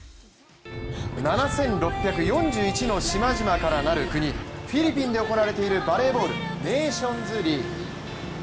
７６４１の島々からなる国フィリピンで行われているバレーボールネーションズリーグ。